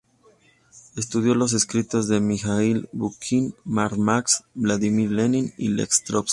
Estudió los escritos de Mijaíl Bakunin, Karl Marx, Vladímir Lenin y Lev Trotski.